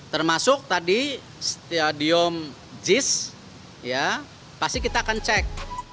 termasuk tadi stadium jis pasti kita akan cek